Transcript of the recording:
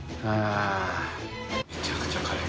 めちゃくちゃ辛い。